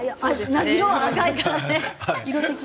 色が赤いからね。